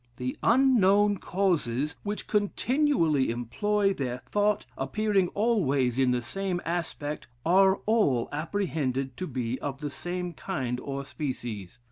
The unknown causes which continually employ their thought, appearing always in the same aspect, are all apprehended to be of the same kind or species.